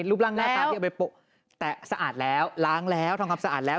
รูปลั่งหน้ากล้างแต่สะอาดแล้วล้างแล้วทองคำสะอาดแล้ว